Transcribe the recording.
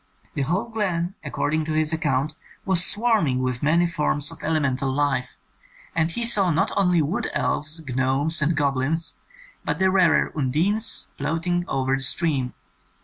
The whole glen, according to his account, was swarming with many forms of elemental life, and he saw not only wood elves, gnomes, and goblins, but the rarer undines, floating over the stream.